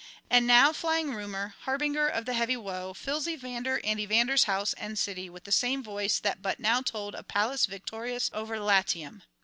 And now flying Rumour, harbinger of the heavy woe, fills Evander and Evander's house and city with the same voice that but now told of Pallas victorious over Latium.